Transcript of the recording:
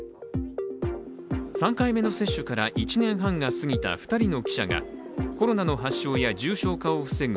３回目の接種から１年半が過ぎた２人の記者がコロナの発症や重症化を防ぐ